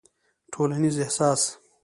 ټولنيز احساس